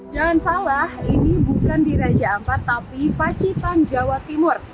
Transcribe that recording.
jangan salah ini bukan di raja ampat tapi pacitan jawa timur